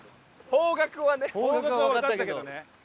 方角はわかったけどね。